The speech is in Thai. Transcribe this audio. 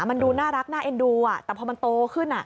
มันดูน่ารักน่าเอ็นดูแต่พอมันโตขึ้น